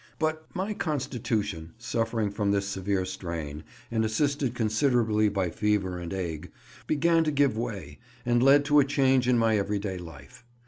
But my constitution, suffering from this severe strain, and assisted considerably by fever and ague, began to give way, and led to a change in my everyday life.